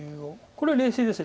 これ冷静です。